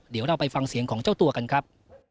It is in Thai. เดี๋ยวเราไปฟังเสียงของเจ้าตัวกันครับ